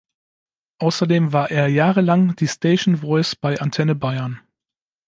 Außerdem war er jahrelang die „Station Voice“ bei Antenne Bayern.